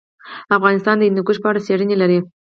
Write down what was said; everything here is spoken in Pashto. افغانستان د هندوکش په اړه څېړنې لري.